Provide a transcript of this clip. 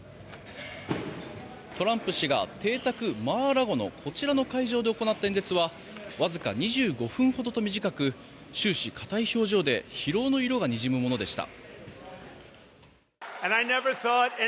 トランプ氏が邸宅マー・ア・ラゴのこちらの会場で行った演説はわずか２５分ほど度短く終始硬い表情で疲労の色がにじむものでした。